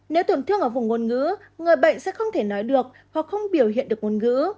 nếu tổn thương ở vùng ngôn ngữ người bệnh sẽ không thể nói được hoặc không biểu hiện được ngôn ngữ